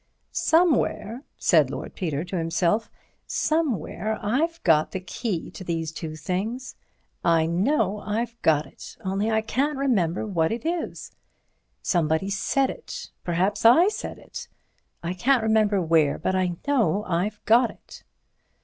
"Somewhere," said Lord Peter to himself, "somewhere I've got the key to these two things. I know I've got it, only I can't remember what it is. Somebody said it. Perhaps I said it. I can't remember where, but I know I've got it.